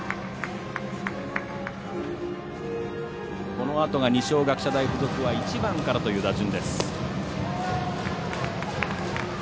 このあとが二松学舎大付属は１番からという打順です。